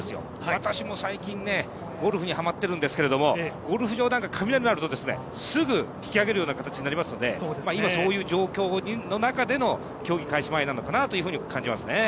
私も最近、ゴルフにハマってるんですけども、ゴルフ場なんかでは雷が鳴ると、すぐ引きあげるような感じになるので、今、そういう状況の中での競技開始前なんだと思いますね。